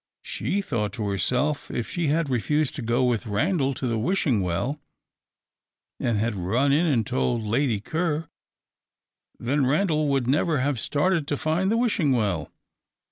She thought to herself, if she had refused to go with Randal to the Wishing Well, and had run in and told Lady Ker, then Randal would never have started to find the Wishing Well.